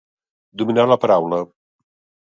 Dominar la paraula.